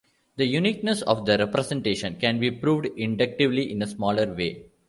The uniqueness of the representation can be proved inductively in a similar way.